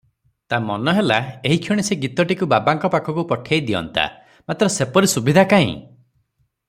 ତା ମନ ହେଲା ଏହିକ୍ଷଣି ସେ ଗୀତଟିକୁ ବାବାଙ୍କ ପାଖକୁ ପଠେଇ ଦିଅନ୍ତା- ମାତ୍ର ସେପରି ସୁବିଧା କାଇଁ?